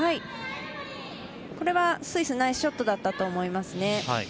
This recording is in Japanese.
スイスナイスショットだったと思います。